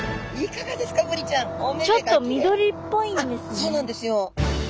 そうなんですよ。